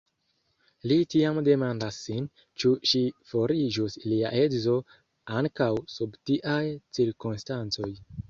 Li tiam demandas sin, ĉu ŝi fariĝus lia edzino ankaŭ sub tiaj cirkonstancoj.